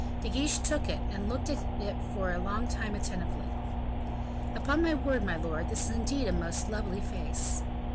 De Guiche took it, and looked at it for a long time attentively. "Upon my honor, my lord, this is indeed a most lovely face."